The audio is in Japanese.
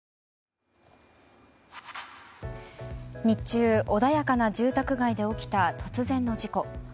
日中穏やかな住宅街で起きた突然の事故。